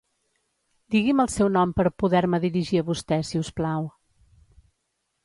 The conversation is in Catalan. Digui'm el seu nom per poder-me dirigir a vostè, si us plau.